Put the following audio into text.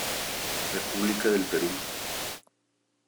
República del Perú.